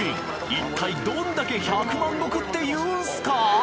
一体どんだけ「百万石」って言うんすか！？